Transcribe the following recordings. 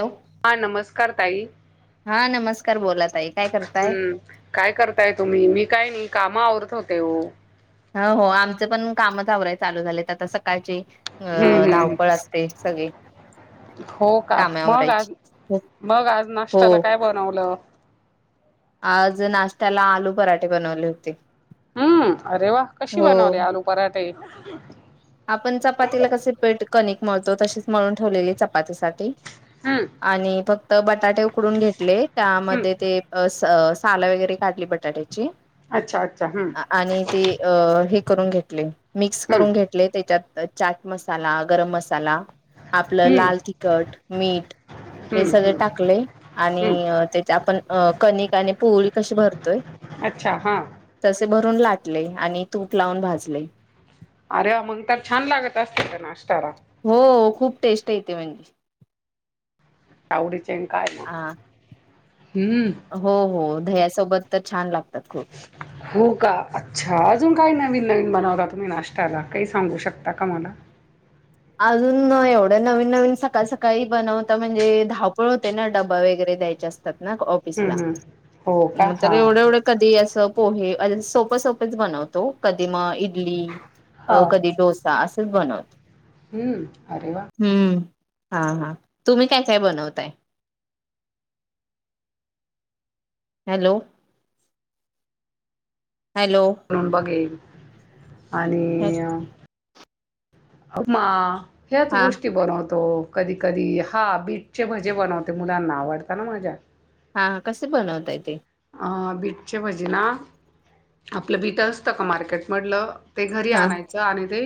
Hello हा नमस्कार ताई हा नमस्कार बोला. ताई काय करताय हम्म, काय करताय तुम्ही मी काय नाही काम आवरत होते हो. हो हो आमचं पण कामचं आराय चालू झालेत आता सकाळचे हम्म अ हम्म धावपळ असते सगळे हो का, मग आज मग आज हो नाश्त्याला काय बनवलं? आज नाशत्याला आलू पराठे बनवले होते. हम्म, अरे वा कशी हो बनवली आलू पराठे? आपण चपातीला कसे पेट कनिक मळतो तशीच मळून ठेवलेली चपातीसाठी हम्म आणि फक्त बटाटे उकडून घेतले हम्म त्यामध्ये ते अ अ साला वगैरे काढली बटाट्याची अच्छा अच्छा हम्म अ आणि ते ही करून घेतले मिक्स हम्म करून घेतले त्याच्यात चाट मसाला, गरम मसाला आपलं हम्म लाल तिखट मीठ हे हम्म सगळे हम्म टाकले आणि हम्म अ त्याचा आपण कणिक आणि पोळी कशी भर अच्छा हां. भरून लाटले आणि तूप लावून भाजले. अरे अमून तर छान लागत असते तर नाश्तारा हो खूप टेस्ट येते म्हणजे. आवडीचे न काय म हा हो हो दह्यासोबत तर छान लाग हो का अच्छा! अजून काय नवी नवीन बनवता तुम्ही नाश्त्याला काही सांगू शकता का मला? अजून एवढं नवीन-नवीन सकाळ सकाळी बनवता म्हणजे धावपळ होते ना डब्बा वगैरे देयाच्या असतात ना हम्म, ऑफिसला हम्म. हो का? म तर हां, एवढं हां. एवढं कधी असं पोहे अजून सोप-सोपेच बनवतो कधी मग इडली हो. अ कधी डोसा अस ते बनवत हम्म, अरे वा. हम्म हा हा तुम्ही काय-काय बनवताय? हॅलो हॅलो बनवून बगेल आणि अ मा ह्याच हा गोष्टी बनव तो कधी-कधी हा बीटचे भजे बनवते मुलांना आवडता ना माझा हा कसे बनवताय तेे? अ बीटचे भजी ना आपलं बीट असतं का मार्केटमडलं ते घरी हा आणायचं आणि ते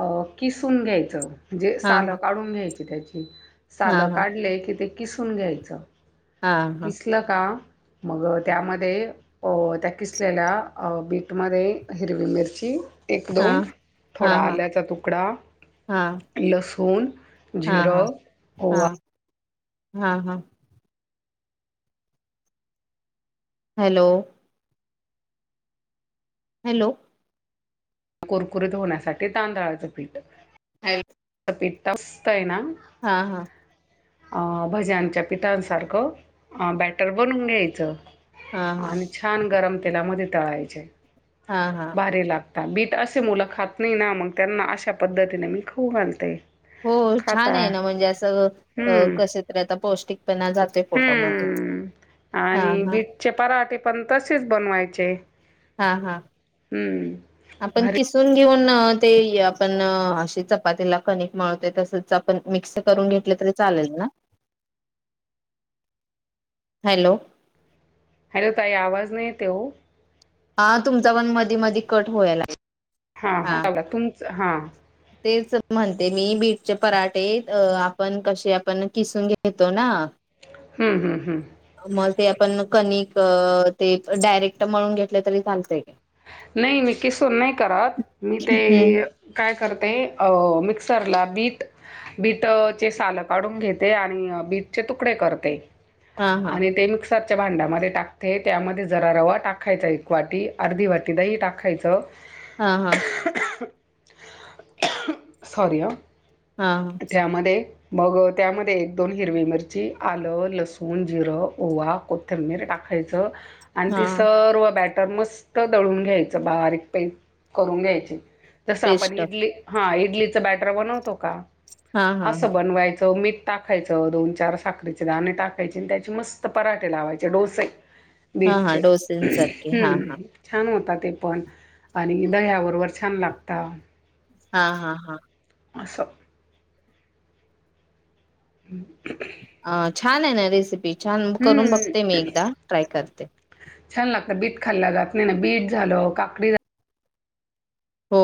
अ किसून घ्यायचं म्हणजे हा सालं हा काढून घ्यायच तिथे यायची, त्या हा सालं हा काढले कि ते किसून घ्यायचं. हा किसलं का मग त्यामध्ये अ त्या किसलेल्या बीटमध्ये हिरवी मिरची हा एक-दोन हा हा थोडा हा आल्याचा तुकडा हा लहसुन हा जिर, हा ओवा हा हा हा. हॅलो हॅलो कुरकुरीत होण्यासाठी तांदळाचं पीठ हा पीट असतय ना हा हा अ भज्यांच्या पिठांसारखं अ बॅटर बनून घ्यायचं हा आणि छान गरम तेलामध्ये तळायचे. हा हा. आता बीट असे मुलं खात नाही ना मग त्यांना अशा पद्धतीने मी खाऊ घालते. हो छान खाता. आहे ना म्हणजे असं हम्म. कसं तर आता पौष्टिक जाते फोटामध्ये हम्म. हा आणि हा. बीटचे पराठे पण तसेच बनवायचे. हा हा हम्म. आपण भारी किसून घेऊन ते आपण अशी चपातीला कनिक माळते तसच आपण मिक्स करून घेत ल तरी चालेल ना. [unintelligible] हॅलो. हॅलो ताई आवाज नाही येते हो. हा तुमचा पण मधी मधी कट व्हाय लाग. हा हा बघ तुमच हा. तेच म्हणते मी बीटचे पराठे आपण कसे आपण किसून घेतो ना हं, हं, हं. म ते आपण कणिक ते डायरेक्ट म्हणून घेतले तरी चालतय का नाही मी किसून नाही करत मी हम्म ते काय करते अ मिक्सर ला बीट बीटचे सालं काढून घेते आणि बीटचे तुकडे करते हा हा आणि ते मिक्सर च्या भांड्यामध्ये टाकते त्यामध्ये जरा रवा टाकायचा एक वाटी अर्धी वाटी दही टाकायचं हा हा. सॉरी अ हा हा त्यामध्ये मग त्यामध्ये एक दोन हिरवी मिरची, आलं, लसूण, जिरं, ओवा, कोथिंबीर टाकायची. टाकायच. आणि हा ती सर्व बॅटर मस्त दळून घ्यायचं बारीक पेस्ट करून घ्यायची. तसं आपण पेस्ट इडली हा इडलीचं बॅटर बनवतो का. हा हा हा असं बनवायचं मी ठ टाकायचं दोन चार साखरीचे धाणे टाकायचे आणि त्याचे मस्त पराठे लावायचे डोसे. हा बीट हा चे डोसेंसारखे हा हा हम्म. छान होता ते पण आणि दह्या बरोबर छान लागता. हा हा हा. अससम. हम्म. अ छान आहे ना रेसिपी छान करून हम्म बघते मी एकदा ट्राय करते. छान लागत बीट खाल्ला जात नाही ना बीट झालं काकडी झा. हो.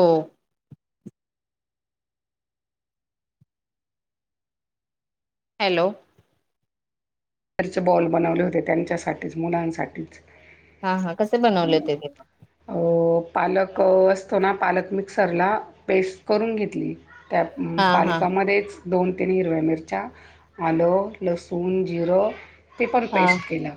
हॅलो. घरचे बॉल बनवले होते त्यांच्यासाठीच मुलांसाठीच हा हा कसे बनवले ते? अ, पालक असतो ना पालक मिक्सरला पेस्ट करून घेतली त्या हा हा पालकामध्येच दोन तीन हिरव्या मिरच्या आलं लसूण जीर ते पण हा पेस्ट केलं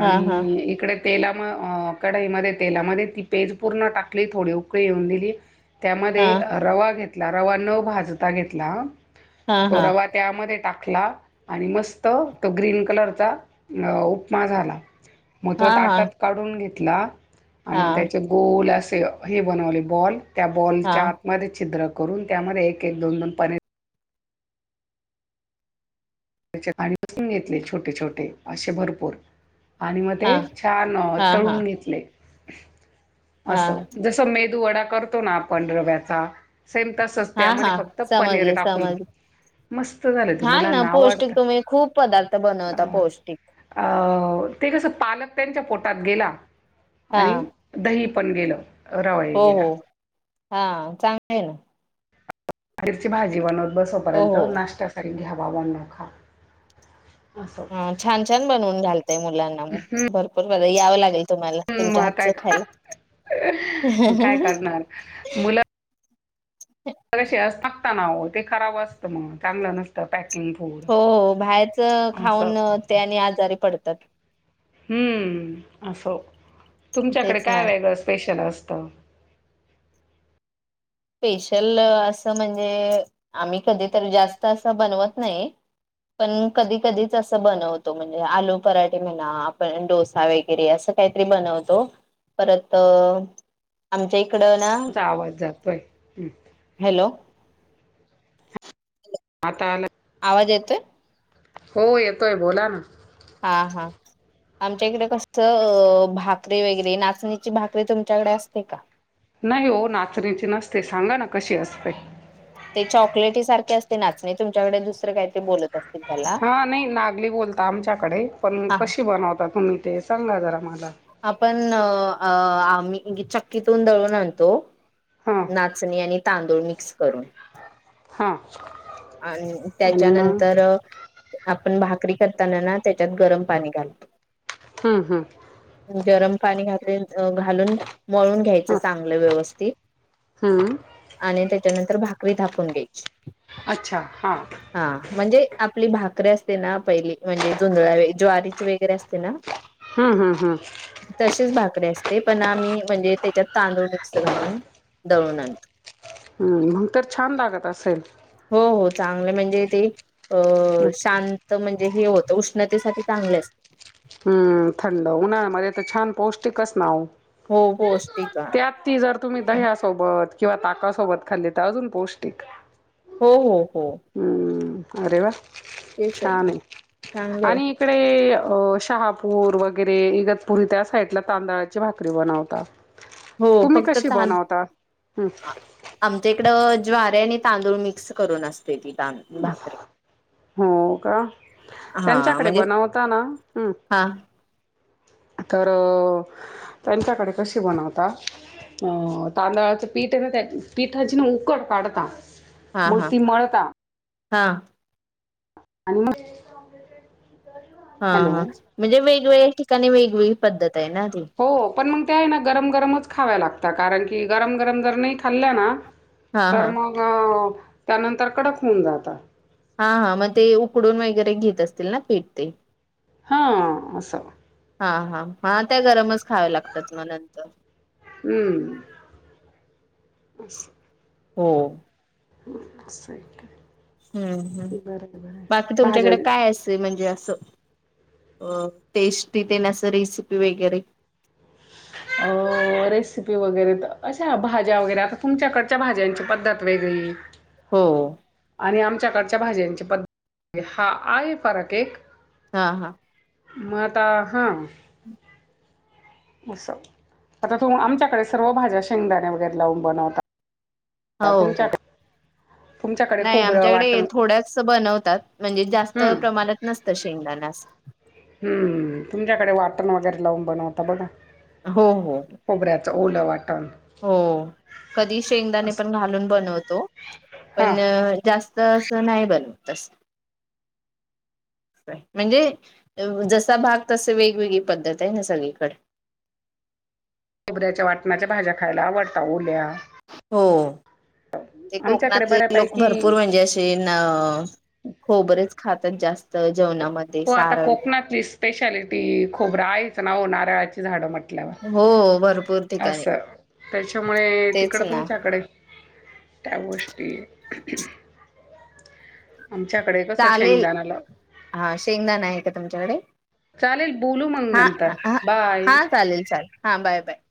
हा हा इकडे तेला मी अ कढाईमध्ये तेलामध्ये ती पेज पूर्ण टाकली थोडी उकळी येऊन दिली ते त्यामध्ये हा रवा घेतला रवा न भाजता घेतला आ हा तो हा रवा त्यामध्ये टाकला आणि मस त ग्रीन कलरचा अं उपमा झाला मग हा तो हा ताटात काढून घेत ला आणि मग हा त्याचे गोल असे हे बनवले बॉल. त्या हा हा बॉलच्या हा आतमध्ये छिद्र करून त्यामध्ये एक एक दोन दोन पनीर त्याच्यात आणि [unintelligible] वून घेतले छोटे छोटे असे भरपूर. आणि मग ते छान अ हा तळून घेतले हा असं जसं मे वडा करतो ना आपण रव्याचा. सेम तसंच हा हा त्यामध्ये फक्त पनीर समजले टाकून समजले मस्त झालं ते छान ना मुलांना आवाड पौष्टिक तुम्ही खूप पदार्थ बनवता पौष्टिक. अ ते कसं पालक त्यांच्या पोटात गेला हा आणि दही पण गेलं. रवा ही हो हो गेला. हा चांगल हे ना. पनीरची भाजी बनवत हो बसोपर्यंत हो नाश्त्यासाठी घ्या बाबांनो खा. असं हं छान-छान बनवून घालताय मुलांना मग भरपूर [unintelligible] यावं लागेल. तुम्हाला हम्म तुमच्या मग काय हातचं खायला. मग काय करणार [unintelligible] नाव ते खराब असतं मग चांगलं नसतं पॅक. हो बाहेरच असं खाऊनं ते आणि आजारी पडतात. हम्म असो तुमच्याकडे तेच काय ना वेगळं स्पेशल असतं? स्पेशल असं म्हणजे आम्ही कधीतरी जास्त असं बनवत नाही. पण कधी-कधीच अस बनवतो म्हणजे आलू पराठे म्हणा, आपण डोसा वगैरे असं. काहीतरी बनवतो परत आमच्या इकडं ना. तुमचा हॅलो [unintelligible] आता आला. आवाज येतोय? हो येतोय बोला ना? हा-हा. आमच्या इकडे कसत भाकरी वगैरे नाचणीची भाकरी तुमच्याकडे असते का? नाही हो नाचणीची नसते, सांगा ना कशी असते? ते चॉकलेटी ही सारखे असते नाचणी तुमच्याकडे दुसरं काहीतरी बोलत असतील त्याला हा नाही नागली बोलता आमच्याकडे पण हा कशी बनवता तुम्ही ते सांगा जरा मला. आपण अं आम्ही चक्कीतून दळून आणतो. हां नाचणी आणि तांदूळ मिक्स करून. हां अन आणि मग त्याच्यानंतर अ आपण भाकरी करताना ना त्याच्यात गरम पाणी घालतो. हम्म-हम्म. गरम पाणी घात अं घालून मळून घ्यायचं चांगलं व्यवस्थित. हा अ. आणि त्याच्यानंतर भाकरी धापून घ्यायची. अच्छा हां. हा म्हणजे आपली भाकरीे असते ना पहिली म्हणजे जोंधळा ज्वारीची वगैरे असते ना. ह ह ह. ते पण आम्ही म्हणजे त्याच्यात तांदूळ मिक्स घालून दळून आणतो. ह मग तर छान लागत असेल. हो-हो चांगलं म्हणजे ते अ शां म्हणजे हे होतं उष्णतेसाठी चांगले असत. हम्म थंड उन्हाळ्यामध्ये तर छान पौष्टिकच ना वो. हो पौष्टिक आहे. त्यात ती जर तुम्ही दह्यासोबत. किंवा ताकासोबत खाल्ली तर अजून पौष्टिक. हो हो हो. हं, अरे वा तेच छान ना आहे, चांगलं आहे आणि इकडे. अ शहापूर वगैरे इगतपुरी त्या साइडला तांदळाची भाकरी बनवतात. हो तुम्ही फक्त कशी तान बनवता? हं आ आमच्या इकडं. ज्वारे आणि तांदूळ मिक्स करून असते ती त भाकरीे. हो का त्यांच्याकडे म्हणजे बनवता ना हम. हा तर त्यांच्याकडे कशी बनवता. ह तांदळाचं पीठ त्या पीठाची ना उकड काढता. मूर्ती मता. हां आणि मग. हा हॅलो हा म्हणजे वेगवेगळ्या ठिकाणी वेगवेगळी पद्धत आहे ना ती. हो पण मग त्या आहे ना गरम गरमच खाव्या लागतात कारण की गरम गरम जर नाही खाल्ल्या ना हा तर हा मग त्यानंतर कडक होऊन जातात हा हा मग ते उकडून वगैरे घेत असतील ना पेठ ते हा हा हा हा त्या गरमच खाव्या लागतात ना नंतर हमं अच्छा होम स काय हम्म हम् बाकी भाज्या तुमच्याकडे काय असेल म्हणजे टेस्टी ते नास रेसिपी वगैरे अ रेसिपी वगैरे अशा भाज्या वगैरे आता तुमच्याकडच्या भाज्यांची पद्धत वेगळी होा आणि आमच्याकडच्या भाज्यांची पद्धत हा आहे फरक एक हा हा मताहा अस आता तु आमच्याकडे सर्व भाज्या शेंगदाण्या वगैरे लावून बनवता ह हो हो. तुमच्याकडे तुमच्याकडे नाही खोबरं आमच्याकडे वाटण थोड्याच बनवतात म्हणजे जास्त हम्म, प्रमाणात नसतं शेंगदाण्यास ट वगरे लावून बनवता बघा हो हो तर ओला वाटं हो कधी शेंगदाणे असं पण घालून बनवतो पण हां जास्त तर असं नाही बन तस ह म्हणजे जसा भाग तस वेगवेगळी पद्धत आहे ना सगळीकडे खबऱ्याच्या वाटणाच्या भाज्या खायला आवडत ओल्या हो ते आमच्याकडे कोकणातले लोक बऱ्यापैकी भरपूर म्हणजे असे हो बरेच खातात जास्त जेवणामध्ये हो आता सारळ कोकणची स्पेशालिटी खूप रायच ना हो नारळाची झाड म्हट हो भरपूर अस ठिकाणी त्याच्यामुळे तेच तिकड ना तुमच्याकडे त्या गोष्टी आमच्याकडे कसं चालेल शेंगदाना ला हा शेंगदाना आहे का तुमच्याकडे चालेल बोलू मग हा नंतर आ बाय हा चालेल चालेल हा बाय बाय